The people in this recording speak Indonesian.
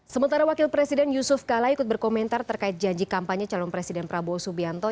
sementara wakil presiden yusuf kala ikut berkomentar terkait janji kampanye calon presiden prabowo subianto